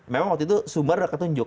memang waktu itu sumber udah ketunjuk